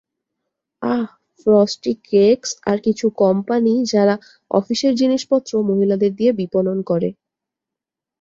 আহহ, Frosty Cakes আর কিছু company যারা অফিসের জিনিসপত্র মহিলাদের দিয়ে বিপনন করে।